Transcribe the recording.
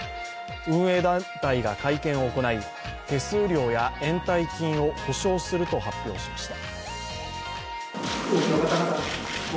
運営団体が会見を行い、手数料や延滞金を補償すると発表しました。